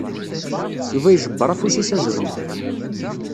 Yuba ijebbeṛ afus-is azelmaḍ.